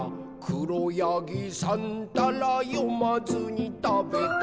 「しろやぎさんたらよまずにたべた」